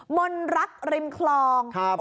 มนรักริมคลอง